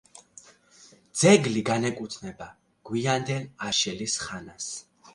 ძეგლი განეკუთვნება გვიანდელ აშელის ხანას.